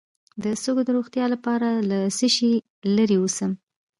د سږو د روغتیا لپاره له څه شي لرې اوسم؟